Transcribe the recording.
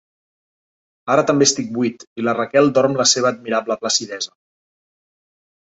Ara també estic buit i la Raquel dorm la seva admirable placidesa.